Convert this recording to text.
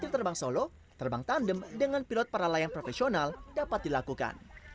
terbang solo terbang tandem dengan pilot para layang profesional dapat dilakukan